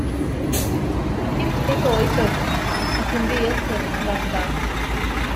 Hogyn deg oed oeddwn, ac yn ddieithr yn yr ardal.